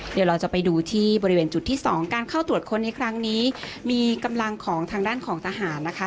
เดี๋ยวเราจะไปดูที่บริเวณจุดที่สองการเข้าตรวจค้นในครั้งนี้มีกำลังของทางด้านของทหารนะคะ